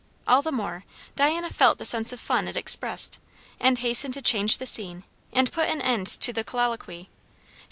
All the more, Diana felt the sense of fun it expressed, and hastened to change the scene and put an end to the colloquy.